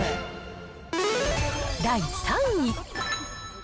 第３位。